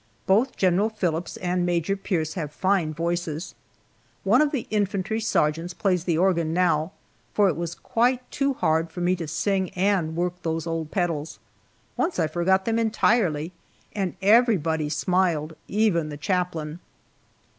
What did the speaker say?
Both General Phillips and Major Pierce have fine voices. One of the infantry sergeants plays the organ now, for it was quite too hard for me to sing and work those old pedals. Once I forgot them entirely, and everybody smiled even the chaplain!